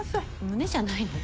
胸じゃないの？